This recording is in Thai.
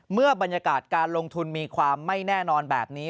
เมื่อบรรยากาศการลงทุนมีความไม่แน่นอนแบบนี้